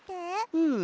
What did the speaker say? うん。